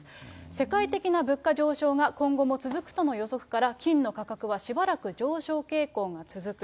世界的な物価上昇が今後も続くとの予測から、金の価格はしばらく上昇傾向が続く。